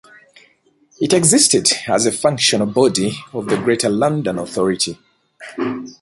It existed as a functional body of the Greater London Authority.